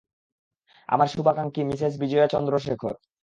আমার শুভাকাঙ্ক্ষী, মিসেস বিজয়া চন্দ্রশেখর।